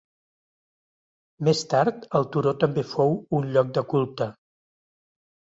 Més tard, el turó també fou un lloc de culte.